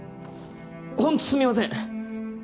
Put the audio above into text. ホントすみません！